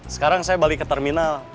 sekarang saya balik ke terminal